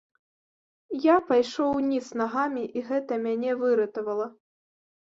Я пайшоў уніз нагамі, і гэта мяне выратавала.